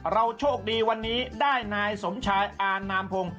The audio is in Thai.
เราโชคดีวันนี้ได้นายสมชายอานามพงศ์